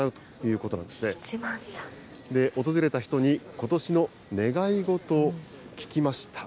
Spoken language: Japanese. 訪れた人にことしの願い事を聞きました。